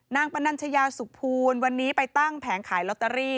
ปนัญชยาสุขภูลวันนี้ไปตั้งแผงขายลอตเตอรี่